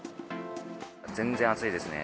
全然暑いですね。